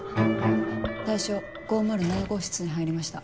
対象５０７号室に入りました。